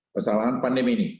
pesalahan pandemi ini